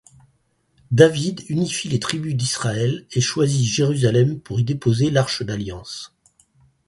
David unifie les tribus d'Israël et choisit Jérusalem pour y déposer l'Arche d'alliance.